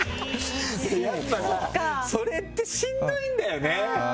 やっぱさ、それってしんどいんだよね。